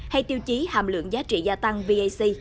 hay tiêu chí hàm lượng giá trị gia tăng vac